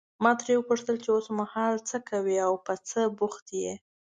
ما ترې وپوښتل چې اوسمهال ته څه کوې او په څه بوخت یې.